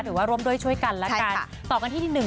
ถือว่ารวมโดยช่วยกันละกันต่อกันที่๑คือ